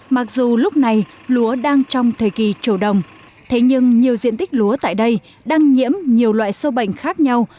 mặc dù lúc này lúa đang trong thời kỳ trổ đồng thế nhưng nhiều diện tích lúa tại đây đang nhiễm nhiều loại sâu bệnh khác nhau